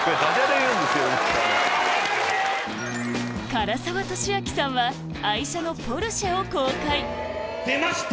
唐沢寿明さんは愛車のポルシェを公開出ました